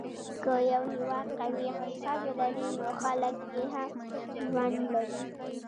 که یو هېواد قوي اقتصاد ولري، نو خلک یې ښه ژوند لري.